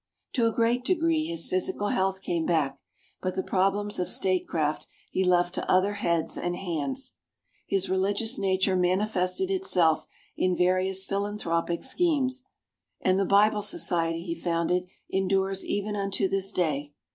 To a great degree his physical health came back, but the problems of statecraft he left to other heads and hands. His religious nature manifested itself in various philanthropic schemes, and the Bible Society he founded endures even unto this day.